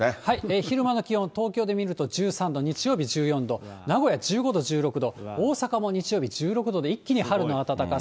昼間の気温、東京で見ると１３度、日曜日１４度、名古屋１５度、１６度、大阪も日曜日１６度で一気に春の暖かさ。